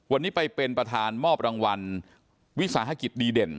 วันนี้ไปเป็นประธานมอบรางวัลวิสาหกิจดีเด่น